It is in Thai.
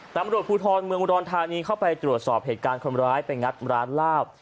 ตำรวจภูทรเมืองอุดรธานีเข้าไปตรวจสอบเหตุการณ์คนร้ายไปงัดร้านลาบ